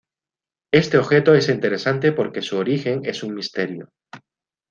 Este objeto es interesante porque su origen es un misterio.